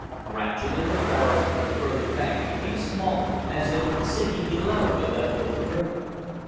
Gradually the forest of the further bank became smaller, as if sinking below the level of the river.